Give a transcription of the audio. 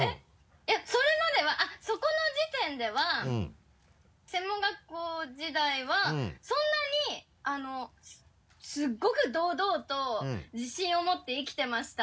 いやそれまではあっそこの時点では専門学校時代はそんなにあのすっごく堂々と自信を持って生きてました。